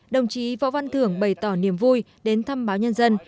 đồng chí võ văn thưởng bày tỏ niềm vui đến thăm báo nhân dân